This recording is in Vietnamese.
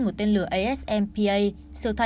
một tên lửa asmpa